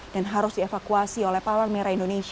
dan harus dievakuasi oleh palang merah indonesia